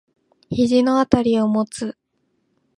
肘のあたりを持つ。